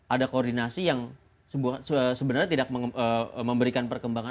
ada koordinasi yang sebenarnya tidak memberikan perkembangan